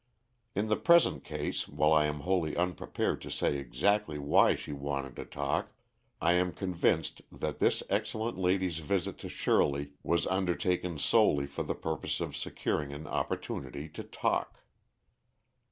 In the present case, while I am wholly unprepared to say exactly why she wanted to talk, I am convinced that this excellent lady's visit to Shirley was undertaken solely for the purpose of securing an opportunity to talk.